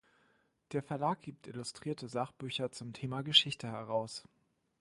Der Verlag gibt illustrierte Sachbücher zum Thema Geschichte heraus.